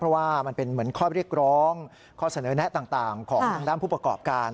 เพราะว่ามันเป็นเหมือนข้อเรียกร้องข้อเสนอแนะต่างของทางด้านผู้ประกอบการ